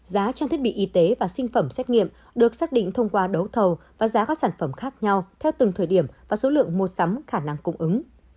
giá trang thiết bị y tế và sinh phẩm xét nghiệm được xác định thông qua đấu thầu và giá các sản phẩm khác nhau theo từng thời điểm và số lượng mua sắm khả năng cung ứng